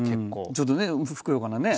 ちょっとねふくよかなね。